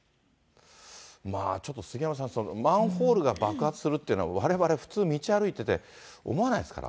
ちょっと杉山さん、マンホールが爆発するっていうのは、われわれ、普通道歩いてて、思わないですから。